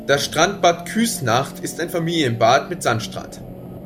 Das Strandbad Küsnacht ist ein Familienbad mit Sandstrand.